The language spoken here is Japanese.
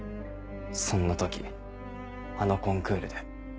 そんな時あのコンクールで。